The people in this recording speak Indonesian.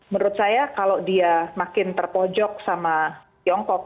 menurut saya kalau dia makin terpojok sama tiongkok